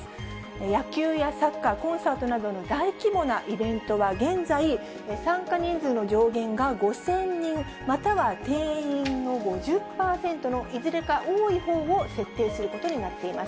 野球やサッカー、コンサートなどの大規模なイベントは現在、参加人数の上限が５０００人、または定員の５０％のいずれか多いほうを設定することになっています。